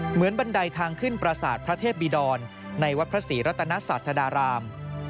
บันไดทางขึ้นประสาทพระเทพบิดรในวัดพระศรีรัตนศาสดาราม